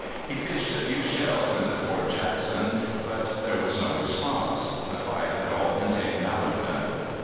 He pitched a few shells into Fort Jackson, but there "was no response; the fight had all been taken out of them."